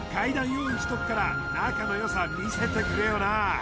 用意しとくから仲の良さ見せてくれよな